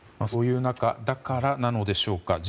そういう中だからなのでしょうか。